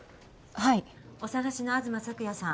はいお捜しの東朔也さん